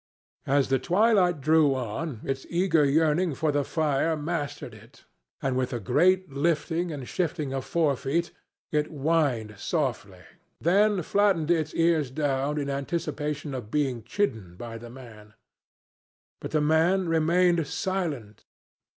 As the twilight drew on, its eager yearning for the fire mastered it, and with a great lifting and shifting of forefeet, it whined softly, then flattened its ears down in anticipation of being chidden by the man. But the man remained silent.